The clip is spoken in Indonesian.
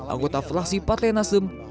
anggota fraksi patre nasdem